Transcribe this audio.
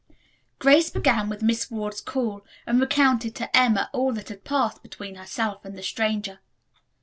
Grace began with Miss Ward's call and recounted to Emma all that had passed between herself and the stranger.